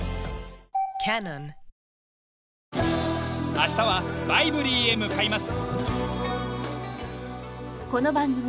明日はバイブリーへ向かいます。